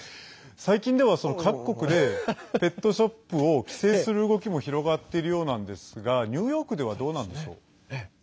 最近では、各国でペットショップを規制する動きも広がっているようなんですがニューヨークではどうなんでしょう？